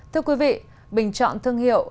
thưa quý vị bình chọn thương hiệu